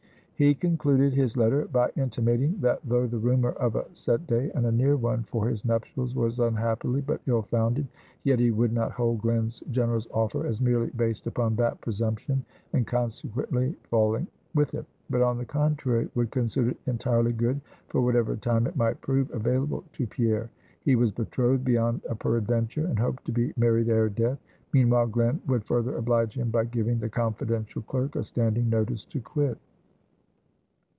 He concluded his letter by intimating that though the rumor of a set day, and a near one, for his nuptials, was unhappily but ill founded, yet he would not hold Glen's generous offer as merely based upon that presumption, and consequently falling with it; but on the contrary, would consider it entirely good for whatever time it might prove available to Pierre. He was betrothed beyond a peradventure; and hoped to be married ere death. Meanwhile, Glen would further oblige him by giving the confidential clerk a standing notice to quit.